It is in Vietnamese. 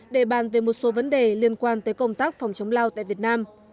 để bàn về một số vấn đề liên quan tới công tác phòng chống lao tại việt nam